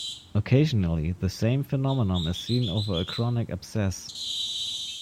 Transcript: Occasionally, the same phenomenon is seen over a chronic abscess.